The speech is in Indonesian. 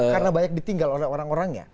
karena banyak ditinggal orang orangnya